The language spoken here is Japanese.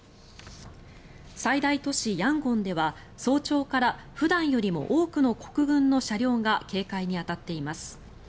最大都市ヤンゴンでは早朝から普段よりも多くの国軍の車両が警戒に当たっています。